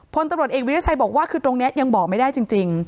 พลตำรวจเอกวิทยาชัยบอกว่าคือตรงนี้ยังบอกไม่ได้จริง